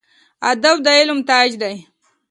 ادب د علم تاج دی